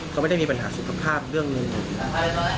เขาไม่ได้มีปัญหาสุขภาพเรื่องเงินหรือเปล่า